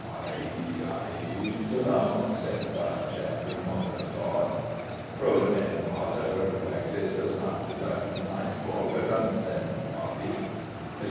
"I I dunno," said Budge, after a moment of thought. "Froed 'em in a closet where the rags is, so's not to dyty the nice floor wif 'em," said Toddie. Mr.